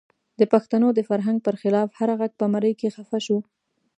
د پښتنو د فرهنګ پر خلاف هر غږ په مرۍ کې خفه شو.